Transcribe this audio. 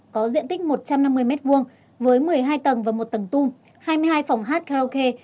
có diện tích một trăm năm mươi m hai với một mươi hai tầng và một tầng tung hai mươi hai phòng hát karaoke